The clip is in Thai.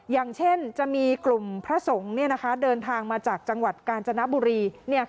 อย่างเช่นจะมีกลุ่มพระสงฆ์เดินทางมาจากจังหวัดกาญจนบุรี